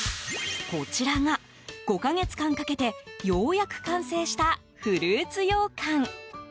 こちらが、５か月間かけてようやく完成したフルーツ羊羹。